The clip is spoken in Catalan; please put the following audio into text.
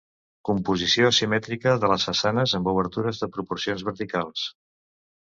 Composició asimètrica de les façanes, amb obertures de proporcions verticals.